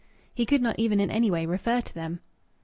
He could not even in any way refer to them.